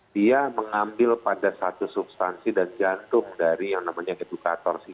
dia mengambil pada satu substansi dan jantung dari yang namanya edukator sih